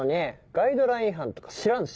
ガイドライン違反とか知らんし。